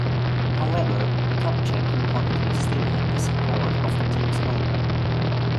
However, Kupchak reportedly still had the support of the team's owner.